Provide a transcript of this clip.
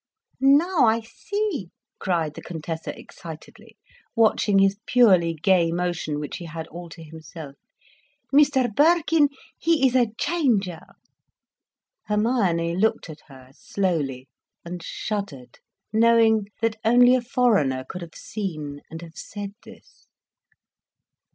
"Now I see," cried the Contessa excitedly, watching his purely gay motion, which he had all to himself. "Mr Birkin, he is a changer." Hermione looked at her slowly, and shuddered, knowing that only a foreigner could have seen and have said this.